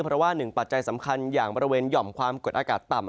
เพราะว่าหนึ่งปัจจัยสำคัญอย่างบริเวณหย่อมความกดอากาศต่ำ